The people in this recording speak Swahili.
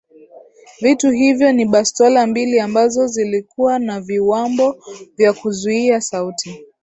Vitu hivyo ni bastola mbili ambazo zilikuwa na viwambo vya kuzuia sauti